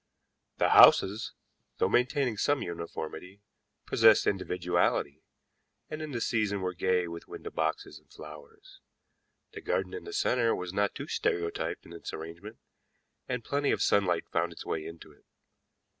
The houses, though maintaining some uniformity, possessed individuality, and in the season were gay with window boxes and flowers; the garden in the center was not too stereotyped in its arrangement, and plenty of sunlight found its way into it.